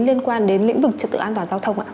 liên quan đến lĩnh vực trật tự an toàn giao thông ạ